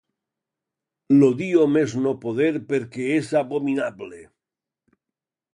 L'odio a més no poder perquè és abominable.